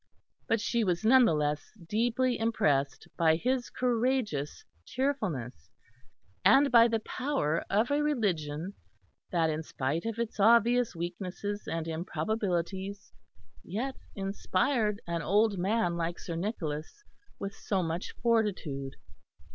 But she was none the less deeply impressed by his courageous cheerfulness, and by the power of a religion that in spite of its obvious weaknesses and improbabilities yet inspired an old man like Sir Nicholas with so much fortitude.